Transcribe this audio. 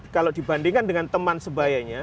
kalau dibandingkan dengan teman sebayanya